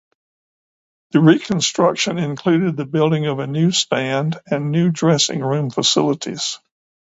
This reconstruction included the building of a new stand and new dressing room facilities.